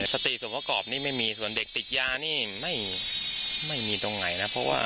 สติสมประกอบนี้ไม่มีส่วนเด็กติดยานี่ไม่มีตรงไหนนะเพราะว่า